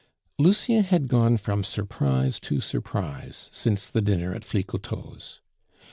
Lucien had gone from surprise to surprise since the dinner at Flicoteaux's.